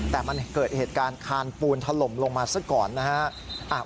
แต่มันเกิดเหตุการณ์คานปูนถล่มลงมาซะก่อนนะฮะ